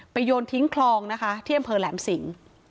โยนทิ้งคลองนะคะที่อำเภอแหลมสิง